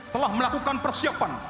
telah melakukan persiapan